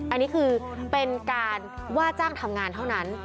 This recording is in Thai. อันนี้คือเป็นการว่าจ้างทำงานเท่านั้น